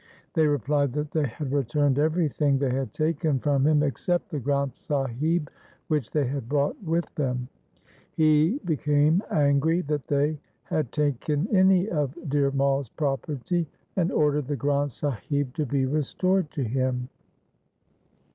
' They replied that they had returned everything they had taken from him except the Granth Sahib which they had brought with them. He became angry that they had taken any of Dhir Mai's property and ordered the Granth Sahib to be restored to him.